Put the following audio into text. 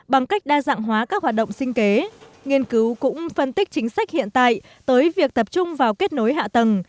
bằng cách đa dạng hóa các hoạt động sinh kế nghiên cứu cũng phân tích chính sách hiện tại tới việc tập trung vào kết nối hạ tầng